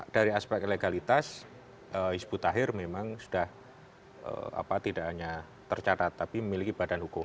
dari aspek legalitas hizbut tahir memang sudah tidak hanya tercatat tapi memiliki badan hukum